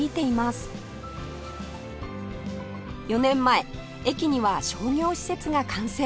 ４年前駅には商業施設が完成